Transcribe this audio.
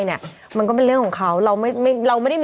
แล้วเย่บีไปด้วยเย่บีไปด้วย